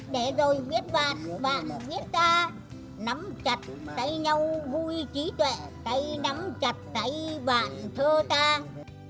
để rồi biết vạt bạn biết tâm